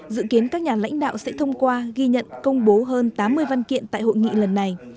dự kiến các nhà lãnh đạo sẽ thông qua ghi nhận công bố hơn tám mươi văn kiện tại hội nghị lần này